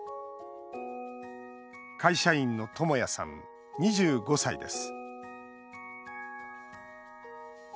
会社員のトモヤさん２５歳です